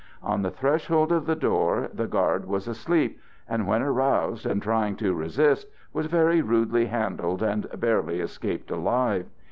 On the threshold of the door the guard was asleep, and when aroused and trying to resist, was very rudely handled and barely escaped alive.